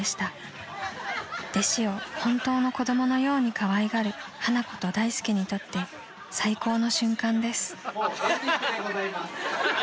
［弟子を本当の子供のようにかわいがる花子と大助にとって最高の瞬間です］